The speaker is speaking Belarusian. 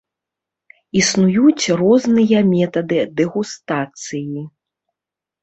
Існуюць розныя метады дэгустацыі.